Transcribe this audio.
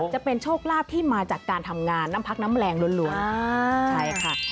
จะเป็นโชคลาภที่มาจากการทำงานน้ำพักน้ำแรงล้วนใช่ค่ะ